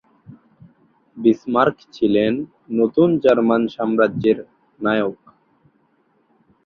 Bismarck ছিলেন নতুন German সাম্রাজ্যের নায়ক।